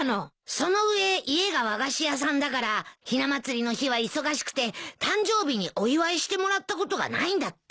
その上家が和菓子屋さんだからひな祭りの日は忙しくて誕生日にお祝いしてもらったことがないんだって。